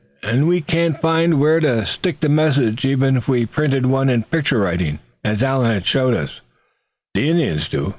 And we can't find where to stick the message even if we printed one in picture writing, as Allan had shown us the Indians do.